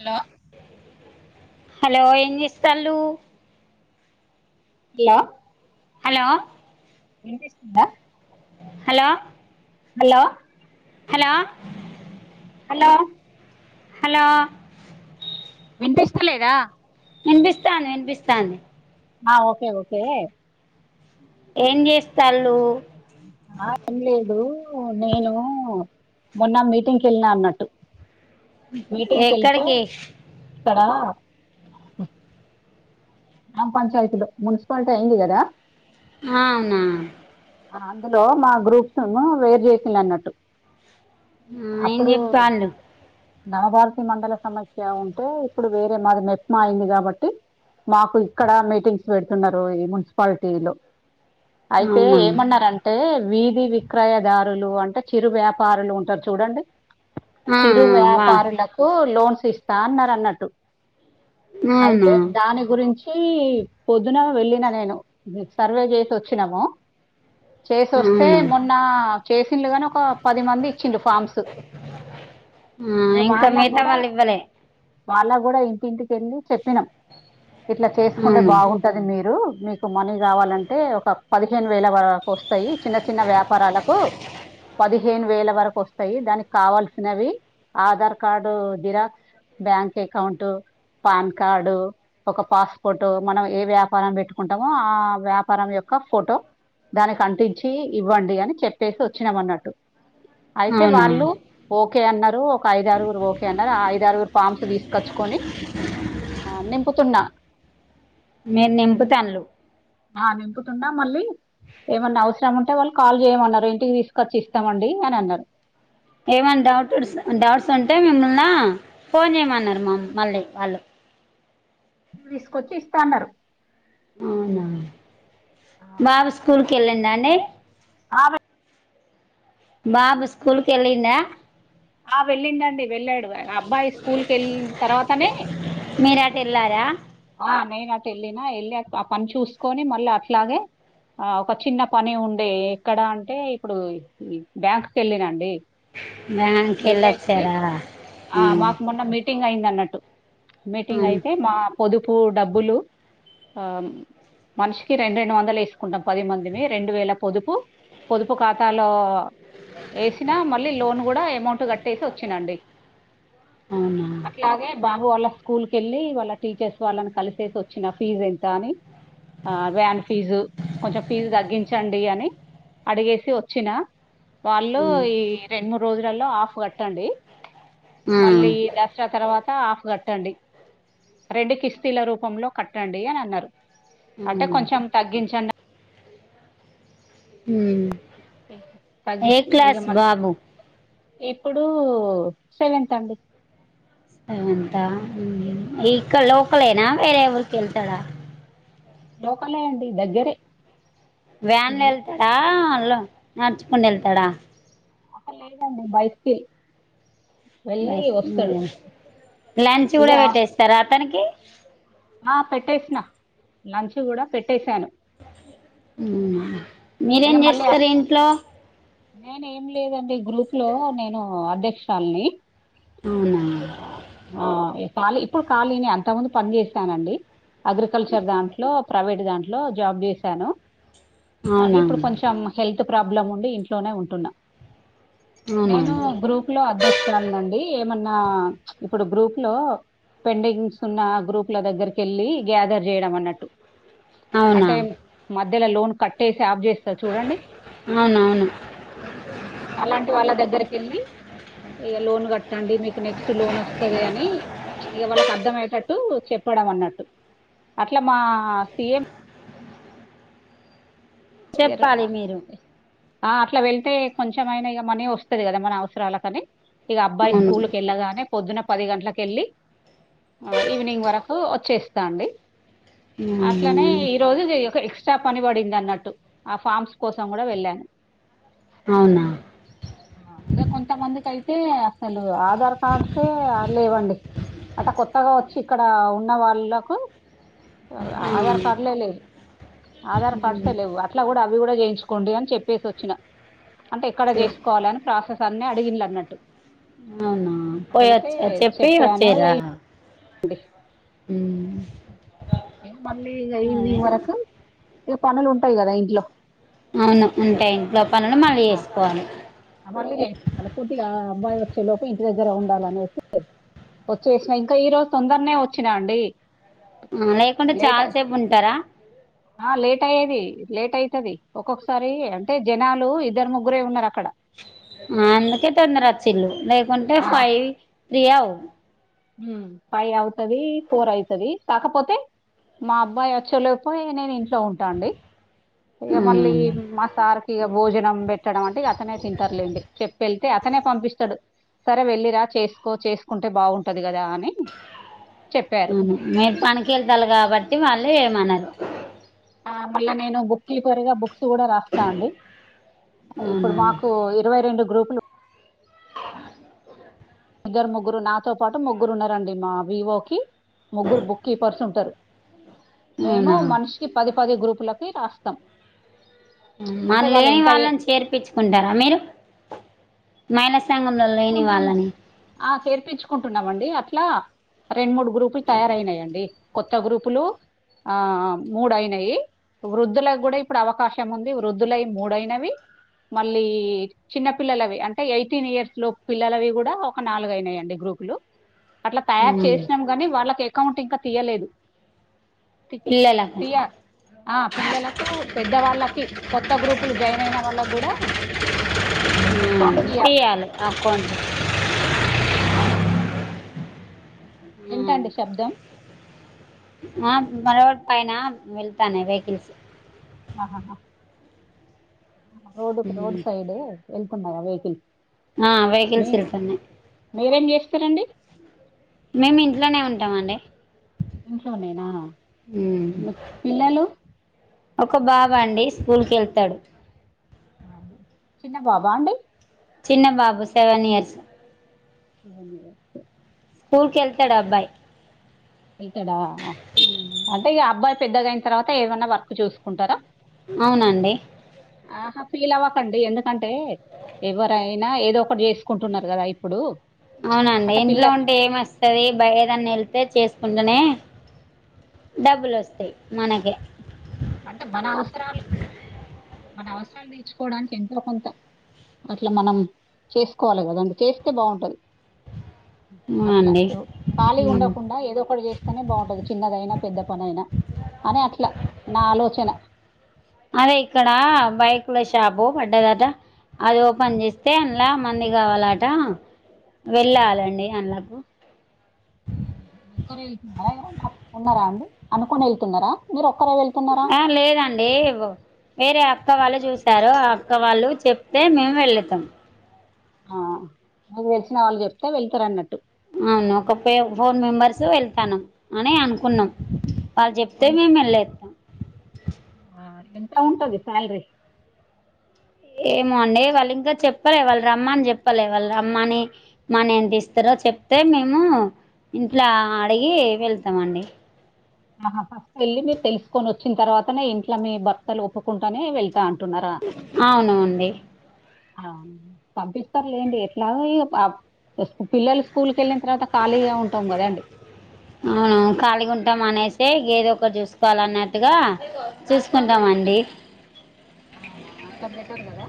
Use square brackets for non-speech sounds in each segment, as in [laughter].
Hello hello ఏం చెస్తళు hello hello వినిపిస్తుంద hello hello hello hello hello విపిస్తలేదా వినిపిస్తాంది వినిపిస్తాంది ఆ ఓకే ఓకే ఏం చేస్తాలు ఆ ఏం లేదు నేను మొన్న మీటింగ్కి వెళ్ళినా అన్నట్టు మీటింగ్కి వెళ్తే ఎక్కడికి తడా గ్రామ్ పంచాయతులు మున్సిపల్టీ ఐంది కదా అవునా అందులో మా గ్రూప్స్ ను వేర్ చేసిండ్రు అన్నట్టు ఏం అప్పుడు చెప్పాళ్ళు నవభారతి మండల సమస్య ఉంటే ఇప్పుడు వేరే మాది మెప్మా అయింది కాబట్టి మాకు ఇక్కడ మీటింగ్స్ పెడుతున్నారు ఈ మున్సిపాలిటీ లో అయితే అవునా ఏమన్నారం టే వీధి విక్రయదారులు అంటే చిరు వ్యాపారులు ఉంటారు చూడండి ఆ చిరు వా వ్యాపారులకు లోన్స్ ఇస్తా అన్నరు అన్నట్టు అవునా అయితే దాని గురించి పొదున వెళ్ళిన నేను సర్వే చేసి వచ్చినాము చేసి వస్తే అవునా మొన్న చేసిలు గాని ఒక పది మంది ఇచ్చిడు ఫార్మ్స్ ఆ ఇగ ఇంకా మిగతా వాళకూడా వాళ్ళు ఇవ్వలే వాళ్ళగ్గూడా ఇంటింటికి వెళ్లి చెప్పినం ఇట్లా చేసుకుంటే అవును బాగుంటది మీరు మీకు మనీ కావాలంటే ఒక పదిహేను వేల వరకు వస్తు స్తాయ్ చిన్న చిన్న వ్యాపారాలకు పదిహేను వేల వరకు వస్ స్తాయి దానికి కావల్సినవి Aadhaar card xerox bank account PAN card ఒక పాస్పోటొ మనం ఏ వ్యాపారం పెట్టుకుంటామో ఆ వ్యాపారం యొక్క ఫోటో దానికి అంటించి ఇవ్వండి అని చెప్పేసి వచ్చినమన్నట్టు అయితే అవునా వాళ్ళు ఓకే అన్నారు ఒక ఐదారుగురు ఓకే అన్నారు ఆ ఐదారుగురు ఫామ్స్ తీసుకొచ్చుకొని ఆ నింపుతున్నా మీరు నింపుతనుళ్లు ఆ నింపుతుంద మళ్ళీ ఏమన్నా అవసరం ఉంటే వాళ్ళు కాల్ చేయమన్నారు ఇంటికి తీసుకొచ్చి ఇస్తమండి అని అన్నారు ఏమైన్నా డౌట్ డౌట్స్ ఉంటే మిమ్మల్న ఫోన్ చేయమన్నారు మా మళ్ళీ వాళ్ళు తీసుకొచ్చి ఇస్తాన్నారు అవునా బాబు స్కూల్కెళ్ళిందండి అ మే బాబు స్కూల్కెళ్ళిండా ఆ వెళ్ళిండండి వెళ్ళాడు అబ్బాయి స్కూల్కెళ్ళిన్ తర్వాతనే మీరు అటు వెళ్ళారా ఆ నేనటు ఎళ్ళిన ఎళ్ళి అ ఆ పని చూసుకొని మళ్ళీ అట్లానే ఆ ఒక చిన్న పని ఉండే ఎక్కడ అంటే ఇప్పుడు బ్యాంక్ కి వెళ్ళినండి వెళ్ళేసి బ్యాంకెళ్ళొచ్చారా ఆ మ్మ్ మాకు మొన్న మీటింగ్ అయింది అన్నట్టు మీటింగ్ అవును, అయితే మా పొదుపు డబ్బులు ఆ మనిషికి రెండు రెండు వందలు వేసుకుంటాం పది మందిమి రెండు వేల పొదుపు పొదుపు ఖాతాలో ఎసిన మళ్ళీ లోన్ కూడా అమౌంట్ కట్టేసి ఒచ్చినండి అవునా అట్లాగే బాబు వాళ్ళ స్కూల్ కెళ్ళి వాళ్ళ టీచర్స్ వాళ్ళని కలిసేసి వచ్చిసి ఫీజ్ ఎంత అని ఆ వ్యాన్ ఫీజు కొంచెం ఫీజు తగ్గించండి అని అడిగేసి ఒచ్చినా వాళ్ళు ఉమ్, ఈ రెండు మూడు రోజులలో ఆఫ్ కట్టండి ఆ, మళ్ళీ ఈ దాస్ సరా తర్వాత ఆఫ్ కట్టండి రెండు కిస్తీల రూపంలో కట్టండి అని అన్నారు అంటే అవునా కొంచెం తగ్గించన్న మ్మ్ తగ్గి ఏ ఇక క్లాస్ మళ్ళీ బాబు ఇప్పుడు సెవెన్త్ అండి అంత ఇ లోకలేనా వేరే ఊరికెళ్తడా లోకలే అండి దగ్గరే వ్యాన్ల వెళ్తాడా అళ నడుచుకుని వెళ్తాడా లేదండి బైస్కిల్ వెళ్ళి వస్తాడు లంచ్ ఇక కూడా పెట్టేస్తార అతనికి ఆ పెట్టేసిన లంచ్ కూడా పెట్టేసాను హ్మ్ మీరేం చేస్తారు ఇంట్లో నేను ఏం లేదండి గ్రూప్ లో నేను అధ్యక్షురాలిని అవునా ఆ ఖాళీ ఇప్పుడు ఖాళీనే అంతకు ముందు పని చేశానండి అగ్రికల్చర్ దాంట్లో ప్రైవేట్ దాంట్లో జాబ్ చేశాను కానీ అవునా ఇప్పుడు అండి కొంచెం హెల్త్ ప్రాబ్లం ఉండి ఇంట్లోనే ఉంటున్నా అవునా నేను అండి గ్రూప్ లో అధ్యక్షు రాలునండి ఏమన్నా ఇప్పుడు గ్రూప్ లో పెండింగ్స్ ఉన్న గ్రూప్ల దగ్గరికి వెళ్ళి గ్యాదర్ చేయడం అన్నట్టు అవునా అంటే మధ్యలో లోన్ కట్టేసి ఆఫ్ చేస్తారు చూడండి అవునవును అలాంటి వాళ్ళ దగ్గరకి వెళ్ళి ఇక లోన్ కట్టండి మీకు నెక్స్ట్ లోన్ వస్తుంది అని ఇక వాళ్ళకి అర్థమయ్యేటట్టు చె చేయడం అన్నట్టు అట్లా మా సిఎం ఇగరు చెప్పాలి మీరు ఆ అట్లా వెళ్తే కొంచెంమనా ఇ మనీ వస్తుంది కదా మన అవసరాలకానీ ఇక అబ్బాయి అవును స్కూల్ కెళ్లగానే పొద్దున పది గంటలకెళ్ళి ఈవినింగ్ వరకు వచ్చేస్తా అండి అట్లనే ఈ రోజు ఒక ఎక్స్ట్రా పని పడింది అన్నట్టు ఆ ఫామ్స్ కోసం కూడా వెళ్ళాను అవునా మ్ కొంతమందికైయితే అసలు ఆధార్ కార్డ్సేఅ లేవండి అ కొత్తగా వచ్చి ఇక్కడ ఉన్న వాళ్ళలకు అవునా ఆధార్ కార్డులే లేవు ఆధార్ కార్డ్సే లేవు అట్లా కూడా అవి కూడా చేయించుకోండి అని చెప్పేసి వచ్చిన అంటే ఎక్కడ చేసుకోవాలి అని ప్రాసెస్ అన్ని అడిగిినలు అన్నట్టు అవునా పోయి అడిగితే వచ్చ చెప్పి వచ్చేరా ఏం [unintelligible] ఇ అదే ఈవినింగ్ వరకు ఇక పనులు ఉంటాయి కదా ఇంట్లో అవును ఉంటే ఇంట్లో పనులు మళ్ళీ చేసుకోవాలి ళల పూట్ గా అబ్బాయి వచ్చే. లోపు ఇంటి దగ్గర ఉండాలనేసి వచ్చేసినా ఇంకా ఈ రోజు తొందరనే వచ్చినా అండి మ్ లేకుంటే లేట్ చాలా సేపు ఉంటారా ఆ లేట్ అయ్యేది లేట్ అయితది ఒక్కొక్కసారి అంటే జనాలు ఇద్దరు ముగ్గురే ఉన్నారు అక్కడ అందుకే తొందర అచ్చిల్లు లేకుంటే ఫైవ్ త్రీ అవు ఫైవ్ అవుతది ఫోర్ అయితది కాకపోతే మా అబ్బాయి వచ్చేలోపు నేను ఇంట్లో ఉంటాండి ఇక మళ్ళీ అవునండి మా సార్కి ఇక భోజనం పెట్టడం అంటే అతనే తింటారులేండి చెప్పె ఎళ్ అతనే పంపిస్తాడు సరే వెళ్ళరా చేసుకో చేసుకుంటే బావుంటది కదా అని చెప్పారు అవును మీరు పనికి ఎళ్తారు కాబట్టి వాళ్ళు ఏమనరు ఆ మళ్ళ నేను బుక్కిిఫర్ గా బుక్స్ ఇప్పుడు కూడా రాస్తాండి ఇప్పుడు అవునా మాకు ఇరవైరెండు గ్రూపులు ఇద్దరు ముగ్గురు నాతో పాటు ముగ్గురు ఉన్నారండి మా వీవో కి ముగ్గురు బుక్కీపర్సుంటారు మేము అవునా మనిషికి పది పది గ్రూపులకి రాస్తాం అంటే మరి వాళ్ళు లేని ఎంత వాళ్ళని చేర్పించుకుంటారా మీరు మైనస్ కుంటాము ఆ చేర్పించుకుంటున్నామండి అట్లా రెండు మూడు గ్రూపులు తయారయినాయిండి కొత్త గ్రూపులు ఆ మూడు అయినాయి వృద్ధుల గ్గూడా ఇప్పుడు అవకాశం ఉంది వృద్ధులయి మూడైనవి మళ్ళీ చిన్న పిల్లలవి అంటే ఎయిటీన్ ఇయర్స్ లోప్ పిల్లలవి కూడా ఒక నాలుగుయినాయండి గ్రూపులు అట్లా తయారు ఉమ్. చేషినం కానీ వాళ్ళకి అకౌంట్ ఇంకా తీయలేదు పిల్లలకు తీయ ఆ పిల్లలకు పెద్ద వాళ్ళకి కొత్త గ్రూపులు జాయిన్ అయిన వాళ్ళ గ్గూడా ఇప్పీయాలి అకౌంట్ ఆవును ఎంటండి శబ్ధం ఆ మ రొడ్ పైన వెళ్తానయ్ వెహికల్స్ ఆ హా రోడ్ కి రోడ్డు ఉమ్. సైడ్ వెళ్తున్నాయా వెహికల్ ఆ మీ వెహికిల్స్ ఎళ్తన్నయ్ మీరేం చేస్తారండి మేము ఇంట్లోనే ఉంటాం అండి ఇంట్లో నేనా ఉమ్. పిల్లలు ఒక బాబా అండి స్కూల్ కి వెళ్తాడు చిన్న బాబా అండి చిన్న బాబు సెవెన్ ఇయర్స్ [unintelligible] స్కూల్ కి వెళ్తాడు అబ్బాయి వెతాడా అంటే ఈ అబ్బాయి పెద్దగాయిన తర్వాత ఏమన్నా వర్క్ చూసుకుంటారా అవునండి ఆహా ఫీల్ అవ్వకండి ఎందుకంటే ఎవరైనా ఏదో ఒకటి చేసుకుంటున్నారు కదా ఇప్పుడు అవునండి అంటే ఇంట్లో పిల్ల ఉంటే ఏం వస్తుది బయదన్ని వెళ్తే చేసుకుంటూనే డబ్బులు వస్తాయి మనకి అంటే మన అవసరాలు మన అవసరాలు నేర్చుకోవడానికి ఎంతో కొంత అట్లా మనం చేసుకోవాలి కదా అండి చేస్తే బాగుంటది అట్లా అవునండి ఖాళీ ఉమ్. ఉండకుండా ఏదో ఒక చేస్తే అనే బాగుంటది చిన్నదైనా పెద్ద పని అయినా అని అట్లా నా ఆలోచన అదే ఇక్కడ బైకులో షాప్ పడ్డేదాఅత్త అది ఓపెన్ చేస్తే అంలా మంది కావాలట వెళ్ళాలండి అంలాకు ఒక్కరే వెతున్నారా ఉన్నారా అండి అనుకుని వెళ్తున్నారా మీరు ఒక్కరే వెతు ఆ లేదండి ఆండి వేరే అక్క వాళ్ళు చూసారు ఆ అక్క వాళ్ళు చెప్తే మేము వెళతాం ఆ మీకు వెలిసిన వాళ్ళు చెప్తే వెళ్తారు అన్నట్టు అవును ఒక ఫే ఫోర్ మెంబర్స్ వెళ్తాను అని అనుకున్నాం వాళ్ళు చెప్తే ఎంత మేము వెళ్ళదు ఆ ఎంత ఉంటది సాలరీ ఏమో అండి వాళ్ళు ఇంకా చెప్పలే వాళ్ళు రమ్మని చెప్పలే వాళ్ళు రమ్మని మన ఏంటి ఇస్తారో చెప్తే మేము ఇంట్లో అడిగి వెళ్తామ అండి ఆహా ఫస్ట్ వెళ్ళి మీరు తెలుసుకొని వచ్చిన తర్వాతనే ఇంట్లో మీ భర్తలు ఒప్పుకుంటూనే వెళ్తా అంట న్నరా అవును అండి ఆ పంపిస్తారులే ఏంటి ఎట్లా పల్లలు స్కూల్ కి వెళ్ళిన తర్వాత ఖాగా ఉంటాం కదా అండి అవును ఖాళీ ఉంటాం అనేసి ఏదో ఒక చూసుకోవాల అన్నట్టుగా చూసుకుంటామండి అవునా అంత బెటర్ కదా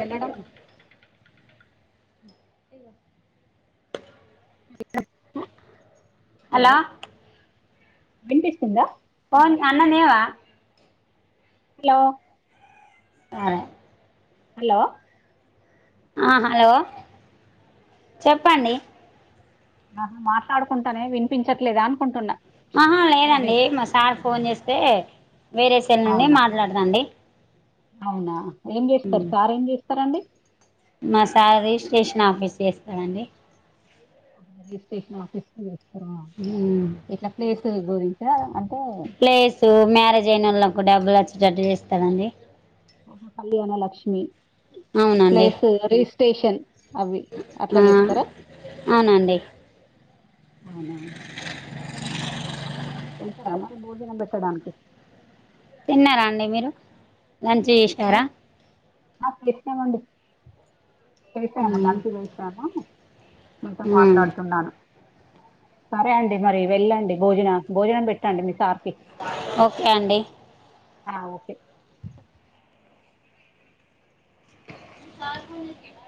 వెళ్ళడం [unintelligible] హలో వినిపిస్తుందా సొన్ అన్నంతిన్నావా హలో ఆ హలో ఆ హలో చెప్పండి అ మాట్లాడుకుంటానే వినిపించట్లేదా అనుకుంటున్నా ఆహా అదే లేదండి మా సార్ ఫోన్ చేస్తే వేరే సెల్ నుండి అవునా మాట్లాడదాండి అవునా ఏం చేస్తారు సార్ ఏం చేస్తారండి మా సార్ రిజిస్టేషన్ ఆఫీస్ చేస్తాడండి రిజిస్టేషన్ ఆఫీస్ చేస్తార ఊ ఇట్లా ప్లేస్ గురించా తెలుస అంటే ప్లేస్ మ్యారేజ్ అయిన వాళ్ళకూ డబ్బులు వచ్చేటట్టు చేస్తారండి కళ్యాణ లక్ష్మి, అవునండి ప్లేస్ రిజిస్టేషన్ ఆ అవునండి అవునా వెళ్తరా మరి బోజనం పెట్టడానికి తిన్నారా అండి మీరు మంచి ఆ, చెసారా ఆ చేసమండి చేసాము దానికి చేసాము మీతో మాట్లాడుతున్నాను సరే అండి మరి వెళ్ళండి భోజన భోజనం పెట్టండి మీ సార్కి ఓకే అండి ఆ ఓకే మీ సార్ ఫోన్ చేసిండ